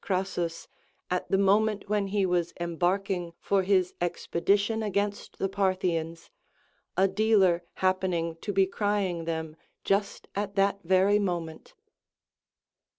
Crassus at the moment when he was embarking96 for his expedition against the Parthians, a dealer happening to be crying them just at that very moment.